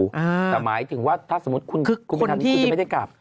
แต่หมายถึงว่าถ้าสมมุติคุณไปทานนิดคุณจะไม่ได้กลับ